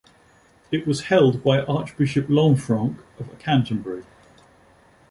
It was held by Archbishop Lanfranc of Canterbury.